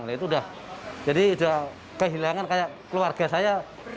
nah itu udah kehilangan kayak keluarga saya